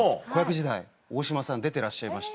時代大島さん出てらっしゃいました。